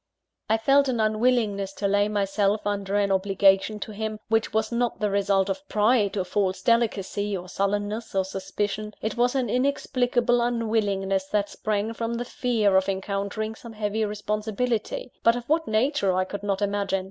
I felt an unwillingness to lay myself under an obligation to him, which was not the result of pride, or false delicacy, or sullenness, or suspicion it was an inexplicable unwillingness, that sprang from the fear of encountering some heavy responsibility; but of what nature I could not imagine.